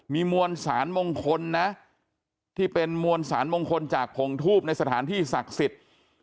มีมวลสารมงคลนะที่เป็นมวลสารมงคลจากผงทูบในสถานที่ศักดิ์สิทธิ์